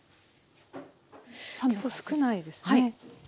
今日少ないですね。